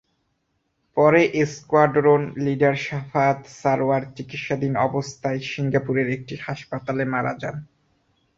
পরে squadron leader Shafayat Sarwar চিকিৎসাধীন অবস্থায় সিঙ্গাপুরের একটি হাসপাতালে মারা যান।